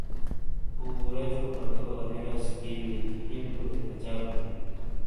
پُورا جو پتو انی رس کہ ہِین کوتے کچاک ہوں ؟